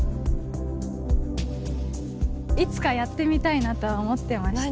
いつかやってみたいなとは思ってました。